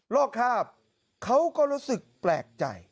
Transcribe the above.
รอบคราบเขาก็รู้สึกแปลกใจ